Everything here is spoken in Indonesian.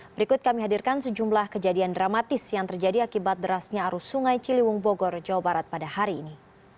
berikut kami hadirkan sejumlah kejadian dramatis yang terjadi akibat derasnya arus sungai ciliwung bogor jawa barat pada hari ini